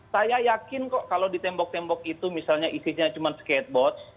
saya yakin kok kalau di tembok tembok itu misalnya isinya cuma skateboard